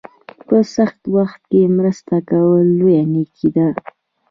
په سخت وخت کې مرسته کول لویه نیکي ده.